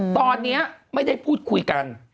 ตอนนี้ไม่ได้พูดคุยกัน